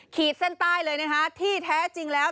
ขีดเส้นใต้เลยนะคะที่แท้จริงแล้ว